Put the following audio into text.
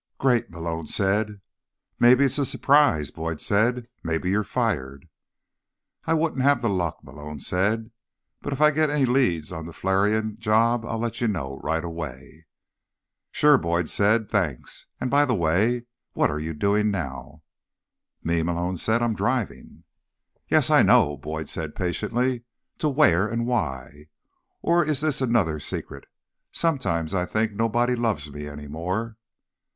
"Great," Malone said. "Maybe it's a surprise," Boyd said. "Maybe you're fired." "I wouldn't have the luck," Malone said. "But if I get any leads on the Flarion job, I'll let you know right away." "Sure," Boyd said. "Thanks. And—by the way, what are you doing now?" "Me?" Malone said. "I'm driving." "Yes, I know," Boyd said patiently. "To where, and why? Or is this another secret? Sometimes I think nobody loves me any more."